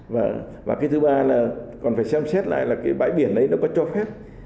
và cái thứ ba là còn phải xem xét lại là cái bãi biển đấy nó có cho phép